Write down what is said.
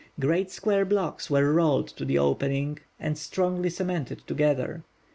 Great square blocks were rolled to the opening, and strongly cemented together.